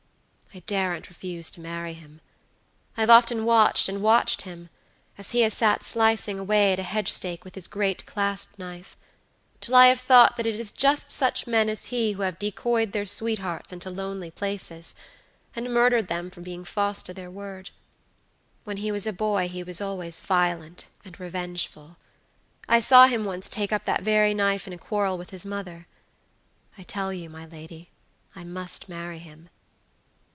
I daren't refuse to marry him. I've often watched and watched him, as he has sat slicing away at a hedge stake with his great clasp knife, till I have thought that it is just such men as he who have decoyed their sweethearts into lonely places, and murdered them for being false to their word. When he was a boy he was always violent and revengeful. I saw him once take up that very knife in a quarrel with his mother. I tell you, my lady, I must marry him."